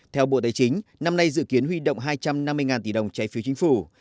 theo bộ tài chính năm nay dự kiến huy động hai trăm năm mươi tỷ đồng trái phiếu chính phủ